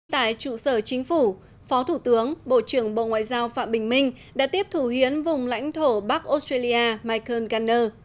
tại trụ sở chính phủ phó thủ tướng bộ trưởng bộ ngoại giao phạm bình minh đã tiếp thủ hiến vùng lãnh thổ bắc australia michael ghanner